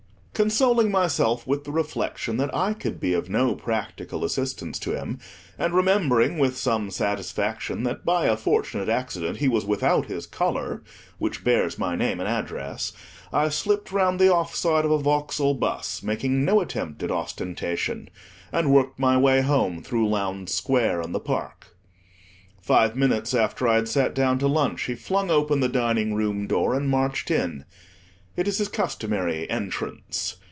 Consoling myself with the reflection that I could be of no practical assistance to him and remembering with some satisfaction that, by a fortunate accident, he was without his collar, which bears my name and address, I slipped round the off side of a Vauxhall bus, making no attempt at ostentation, and worked my way home through Lowndes Square and the Park. Five minutes after I had sat down to lunch, he flung open the dining room door, and marched in. It is his customary "entrance."